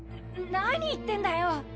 な何言ってんだよ！